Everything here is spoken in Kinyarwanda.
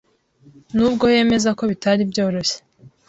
n’ubwo yemeza ko bitari byoroshye